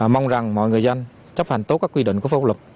mong rằng mọi người dân chấp hành tốt các quy định của pháp luật